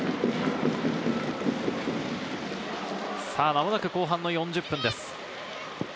間もなく後半４０分です。